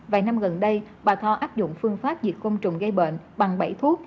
vài năm gần đây bà tho áp dụng phương pháp diệt công trùng gây bệnh bằng bảy thuốc